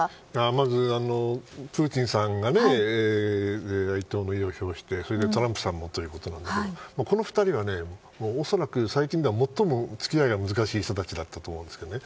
まず、プーチンさんが哀悼の意を表してトランプさんもということでこの２人は、おそらく最近では最も付き合いが難しい人たちだったと思います。